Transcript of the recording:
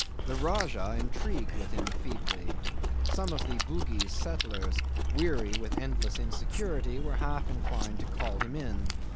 The Rajah intrigued with him feebly. Some of the Bugis settlers, weary with endless insecurity, were half inclined to call him in.